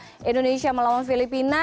kemarin di laga indonesia melawan filipina